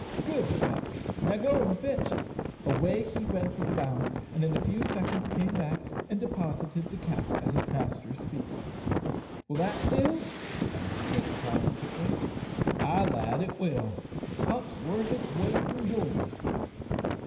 "Good pup! go now an' fetch it." Away he went with a bound, and in a few seconds came back and deposited the cap at his master's feet. "Will that do?" asked Dick, triumphantly. "Ay, lad, it will. The pup's worth its weight in goold."